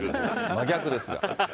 真逆ですわ。